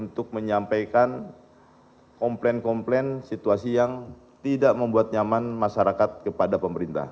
dan menyebabkan komplain komplain situasi yang tidak membuat nyaman masyarakat kepada pemerintah